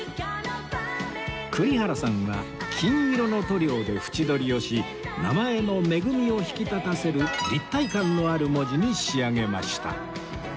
栗原さんは金色の塗料で縁取りをし名前の「恵」を引き立たせる立体感のある文字に仕上げました